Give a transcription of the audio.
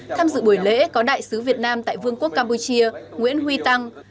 tham dự buổi lễ có đại sứ việt nam tại vương quốc campuchia nguyễn huy tăng